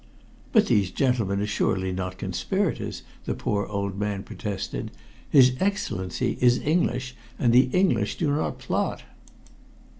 "But these gentlemen are surely not conspirators!" the poor old man protested. "His Excellency is English, and the English do not plot."